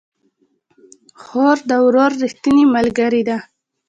خور د ورور ريښتينې ملګرې ده